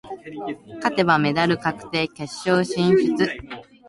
勝てばメダル確定、決勝進出。